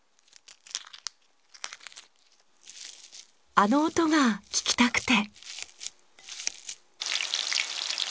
あの音が聞きたくて。